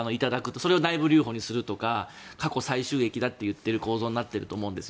それを内部留保にするとか過去最収益だという構造になっていると思うんですよ。